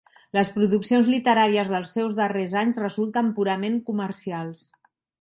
Les produccions literàries dels seus darrers anys resulten purament comercials.